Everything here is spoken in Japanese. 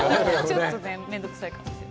ちょっと面倒くさいかもしれない。